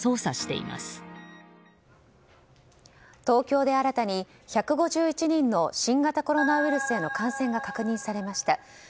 東京で新たに１５１人の新型コロナウイルスへの感染が確認されました。